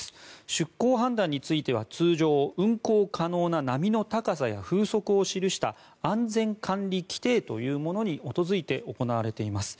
出航判断については通常運航可能な波の高さや風速を記した安全管理規定というものに基づいて行われています。